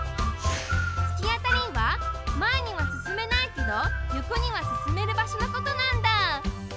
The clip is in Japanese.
つきあたりはまえにはすすめないけどよこにはすすめるばしょのことなんだ。